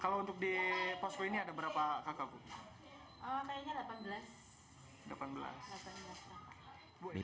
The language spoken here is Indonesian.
kalau untuk di posko ini ada berapa kakak bu